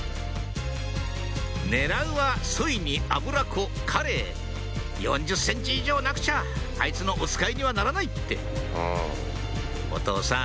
「狙うはソイにアブラコカレイ」「４０ｃｍ以上なくちゃあいつのおつかいにはならない」ってお父さん